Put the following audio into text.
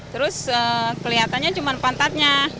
terus kelihatannya cuman pantatnya